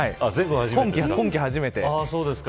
今季初めてです。